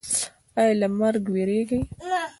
ایا له مرګ ویریږئ؟